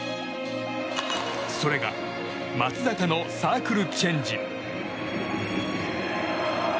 それが松坂のサークルチェンジ。